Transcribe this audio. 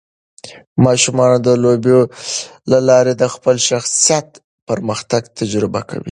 ماشومان د لوبو له لارې د خپل شخصیت پرمختګ تجربه کوي.